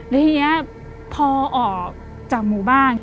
แล้วทีนี้พอออกจากหมู่บ้าน